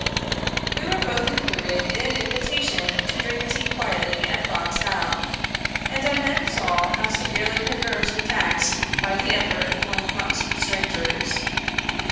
We were both included in an invitation to drink tea quietly at Fox How; and I then saw how severely her nerves were taxed by the effort of going amongst strangers.